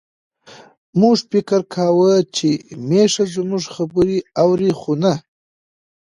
موږ فکر کاوه چې میښه زموږ خبرې اوري، خو نه.